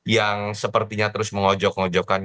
yang sepertinya terus mengojok ngojokkan